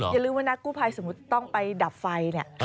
อย่าลืมว่านักกู้ภัยสมมุติต้องไปดับไฟเนี่ย